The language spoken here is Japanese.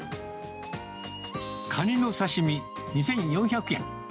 カニの刺身２４００円。